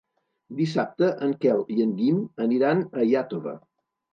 Dissabte en Quel i en Guim aniran a Iàtova.